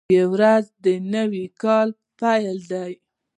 نوروز د نوي کال پیل دی.